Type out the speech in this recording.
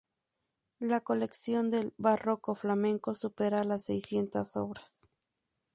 La colección del barroco flamenco supera las seiscientas obras.